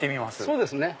そうですね。